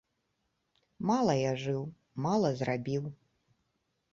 Мала я жыў, мала зрабіў.